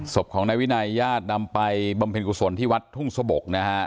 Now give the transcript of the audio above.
ศพของนายวินัยญาตินำไปบำเพ็ญกุศลที่วัดทุ่งสะบกนะฮะ